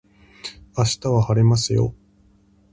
明日は晴れますよ